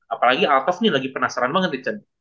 apalagi althoff ini lagi penasaran banget